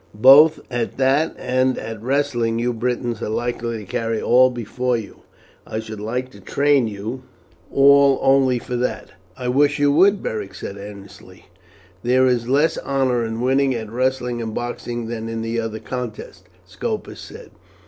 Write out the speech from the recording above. Both at that and at wrestling you Britons are likely to carry all before you. I should like to train you all only for that." "I wish you would," Beric said earnestly. "There is less honour in winning at wrestling and boxing than in the other contests," Scopus said.